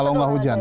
kalau gak hujan